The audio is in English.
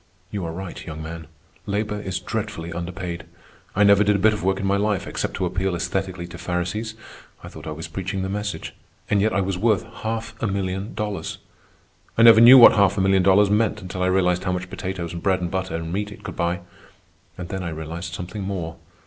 "You are right, young man. Labor is dreadfully underpaid. I never did a bit of work in my life, except to appeal aesthetically to Pharisees—I thought I was preaching the message—and yet I was worth half a million dollars. I never knew what half a million dollars meant until I realized how much potatoes and bread and butter and meat it could buy. And then I realized something more.